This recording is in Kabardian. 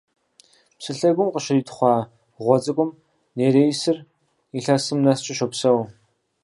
Псы лъэгум къыщритхъуа гъуэ цӀыкӀум нереисыр илъэсым нэскӀэ щопсэу.